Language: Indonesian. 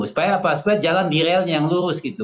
supaya apa supaya jalan di relnya yang lurus gitu